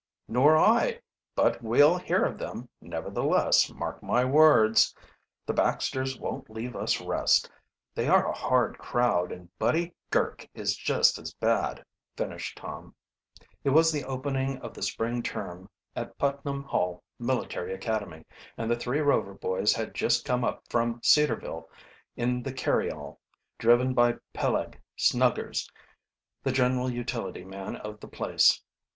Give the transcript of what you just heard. "Nor I but we'll hear of them, nevertheless, mark my words. The Baxters won't leave us rest. They are a hard crowd, and Buddy Girk is just as bad," finished Tom. It was the opening of the spring term at Putnam Hall Military Academy, and the three Rover boys had just come up from Cedarville in the carryall, driven by Peleg Snuggers, the general utility man of the place.